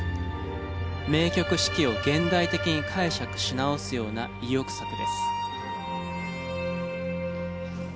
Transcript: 名曲『四季』を現代的に解釈し直すような意欲作です。